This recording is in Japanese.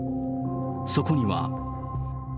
そこには。